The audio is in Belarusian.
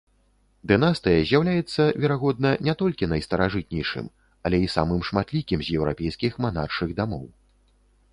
Дынастыя з'яўляецца, верагодна, не толькі найстаражытнейшым, але і самым шматлікім з еўрапейскіх манаршых дамоў.